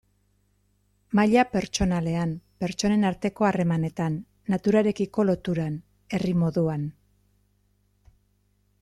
Maila pertsonalean, pertsonen arteko harremanetan, naturarekiko loturan, herri moduan...